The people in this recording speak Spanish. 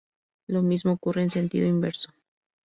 Lo mismo ocurre en sentido inverso.